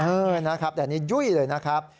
เออนะครับแต่อันนี้ยุ่ยเลยนะครับ